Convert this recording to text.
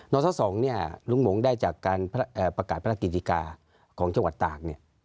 ศ๒เนี่ยลุงหมงได้จากการประกาศพระราชกิจิกาของจังหวัดตากเนี่ย